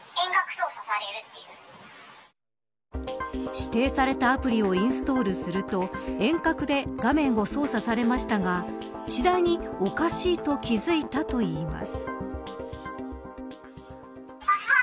指定されたアプリをインストールすると遠隔で、画面を操作されましたが次第におかしいと気付いたといいます。